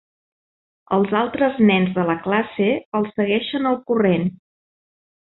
Els altres nens de la classe els segueixen el corrent.